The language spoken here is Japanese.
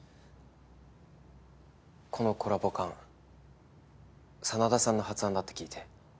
このコラボ缶真田さんの発案だって聞いて。